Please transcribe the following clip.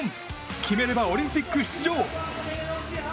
決めればオリンピック出場。